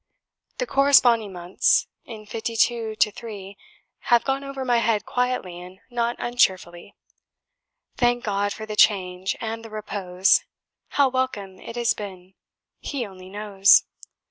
The corresponding l in '52 3 have gone over my head quietly and not uncheerfully. Thank God for the change and the repose! How welcome it has been He only knows!